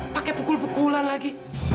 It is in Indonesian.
pakai pukul pukulan lagi